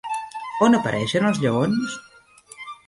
On apareixen els lleons?